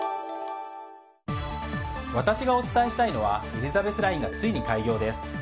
私がお伝えしたいのはエリザベスラインがついに開業です。